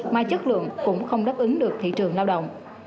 mà chất lượng cũng không đáp ứng được thị trường lao động